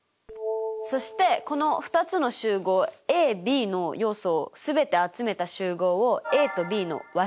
そしてこの２つの集合ＡＢの要素を全て集めた集合をＡとＢの和集合といいますよ。